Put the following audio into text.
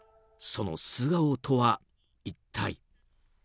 その素顔とは、一体。